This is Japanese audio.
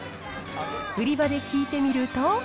売り場で聞いてみると。